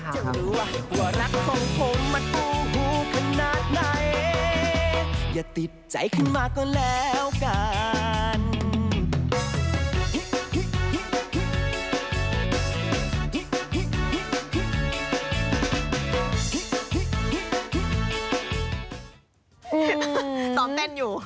หัวรักของผมมันปูหูขนาดไหนอย่าติดใจขึ้นมาก่อนแล้วกัน